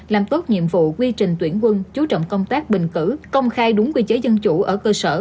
làm tốt nhiệm vụ quy trình tuyển quân chú trọng công tác bình cử công khai đúng quy chế dân chủ ở cơ sở